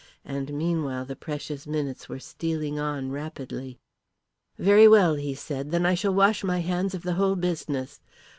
And meanwhile the precious minutes were stealing on rapidly. "Very well," he said, "then I shall wash my hands of the whole business.